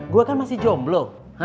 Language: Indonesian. gue kan masih jomblo